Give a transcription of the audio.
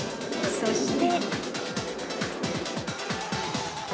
そして。